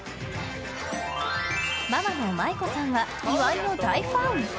ママの麻衣子さんは岩井の大ファン！